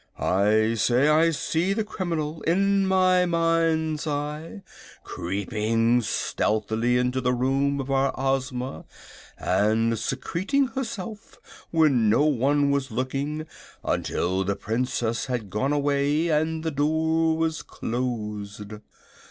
"I say I see the criminal, in my mind's eye, creeping stealthily into the room of our Ozma and secreting herself, when no one was looking, until the Princess had gone away and the door was closed.